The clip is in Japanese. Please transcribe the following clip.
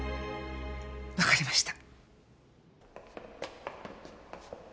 わかりました。